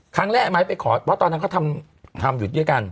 ไอ้ไม้ไปขอเพราะตอนนั้นเขาทำอยู่ด้วยกัน